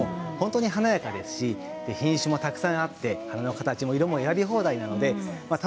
本当に華やかで品種もたくさんあって花の形も色も選び放題です。